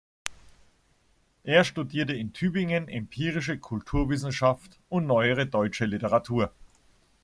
Er studierte in Tübingen Empirische Kulturwissenschaft und Neuere Deutsche Literatur.